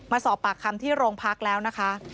มาสอบปากคำที่โรงพักแล้วนะคะ